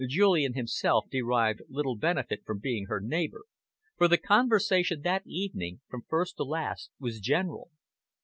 Julian himself derived little benefit from being her neighbour, for the conversation that evening, from first to last, was general.